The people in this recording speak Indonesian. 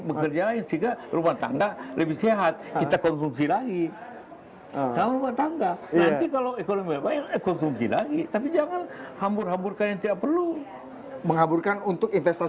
bekerja lain sehingga rumah tangga